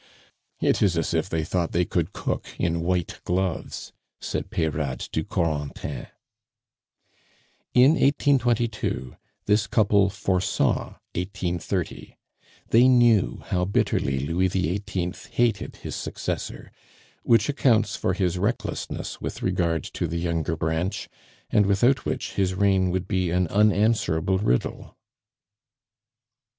"It is as if they thought they could cook in white gloves," said Peyrade to Corentin. In 1822 this couple foresaw 1830. They knew how bitterly Louis XVIII. hated his successor, which accounts for his recklessness with regard to the younger branch, and without which his reign would be an unanswerable riddle.